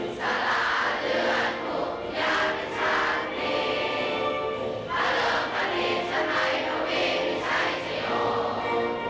สละเลือดปุ๊บยาเป็นชาตินี้พระเริงพระทิสัตว์ให้เขาอีกพิชัยจะโยค